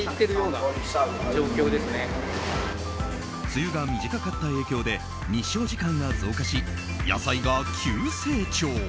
梅雨が短かった影響で日照時間が増加し野菜が急成長。